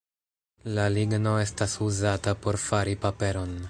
La ligno estas uzata por fari paperon.